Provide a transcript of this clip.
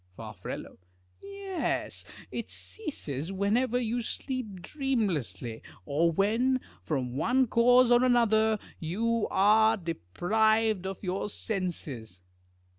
Far. Yes, it ceases whenever you sleep dreamlessly, or when, from one cause or another, you are deprived of your senses.